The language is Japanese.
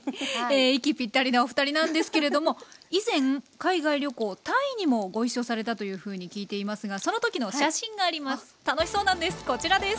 息ぴったりのおふたりなんですけれども以前海外旅行タイにもご一緒されたというふうに聞いていますがその時の写真があります。